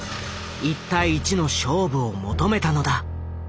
一対一の勝負を求めたのだ。